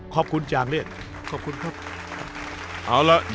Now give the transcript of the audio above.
ขอบคุณจางเลี่ยงขอบคุณครับครับครับครับครับ